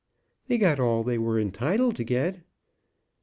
"They got all they were entitled to get."